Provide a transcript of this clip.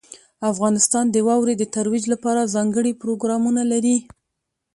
افغانستان د واورې د ترویج لپاره ځانګړي پروګرامونه لري.